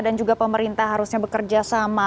dan juga pemerintah harusnya bekerja sama